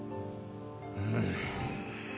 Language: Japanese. うん。